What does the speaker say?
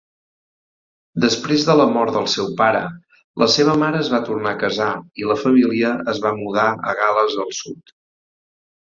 Després de la mort del seu pare, la seva mare es va tornar a casar i la família es va mudar a Gal·les el Sud.